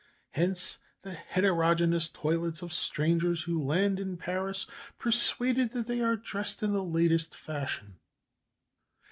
Hence the heterogeneous toilets of strangers who land in Paris, persuaded that they are dressed in the latest fashion."